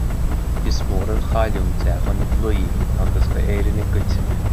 Is mór an chailliúint é don dlí agus d'Éire i gcoitinne